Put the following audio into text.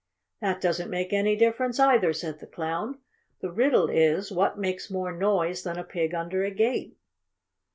"That doesn't make any difference either," said the Clown. "The riddle is what makes more noise than a pig under a gate."